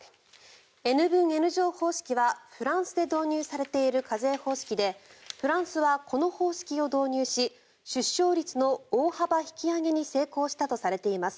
Ｎ分Ｎ乗方式はフランスで導入されている課税方式でフランスはこの方式を導入し出生率の大幅引き上げに成功したとされています。